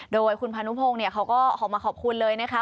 โดยคุณพานุพงศ์เขาก็ออกมาขอบคุณเลยนะคะ